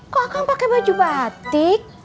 kok akan pakai baju batik